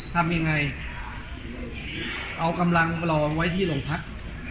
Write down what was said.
ทำยังไงเอากำลังรองไว้ที่โรงพัก